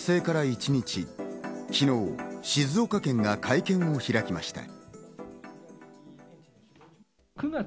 昨日、静岡県が会見を開きました。